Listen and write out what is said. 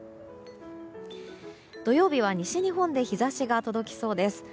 土曜日は西日本で日差しが届きそうです。